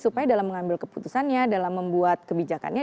supaya dalam mengambil keputusannya dalam membuat kebijakannya